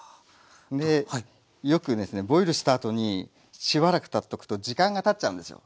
でよくですねボイルしたあとにしばらくたっとくと時間がたっちゃうですよ。